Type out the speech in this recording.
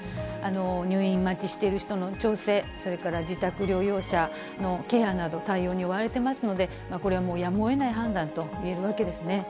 入院待ちしている人の調整、それから自宅療養者のケアなど、対応に追われていますので、これはもうやむをえない判断といえるわけですね。